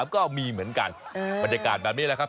ก็มีเหมือนกันบรรยากาศแบบนี้แหละครับ